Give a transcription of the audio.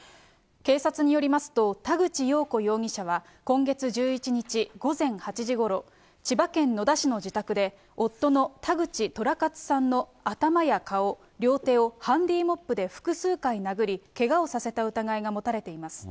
警察によりますと、たぐちようこ容疑者は、今月１１日午前８時ごろ、千葉県野田市の自宅で、夫のたぐちとらかつさんの頭や顔、両手をハンディモップで複数回殴り、けがをさせた疑いが持たれています。